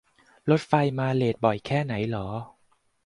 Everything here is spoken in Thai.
รถไฟมาเลทบ่อยแค่ไหนหรอ